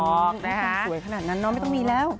สวยขนาดนั้นเนาะไม่ต้องมีแล้ว